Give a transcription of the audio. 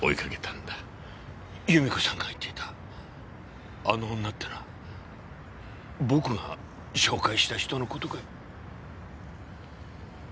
祐美子さんが言っていたあの女ってのは僕が紹介した人の事かい？